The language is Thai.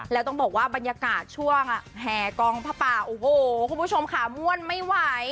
แล้วต้องบอกว่าบรรยากาศช่วงแห่กองผ้าป่าโอ้โหคุณผู้ชมค่ะม่วนไม่ไหว